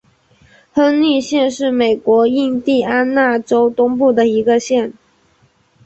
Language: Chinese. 亨利县是美国印地安纳州东部的一个县。